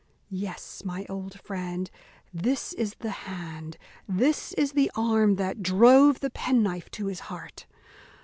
Yes, my old friend, this is the hand, this is the arm that drove the penknife to his heart.